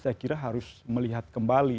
saya kira harus melihat kembali